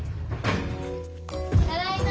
・ただいま。